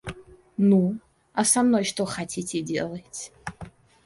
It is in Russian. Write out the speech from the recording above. Ну, а со мной что хотите делать?